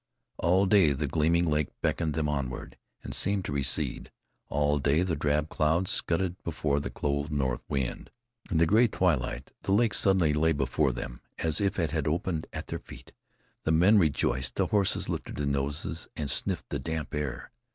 All day the gleaming lake beckoned them onward, and seemed to recede. All day the drab clouds scudded before the cold north wind. In the gray twilight, the lake suddenly lay before them, as if it had opened at their feet. The men rejoiced, the horses lifted their noses and sniffed the damp air.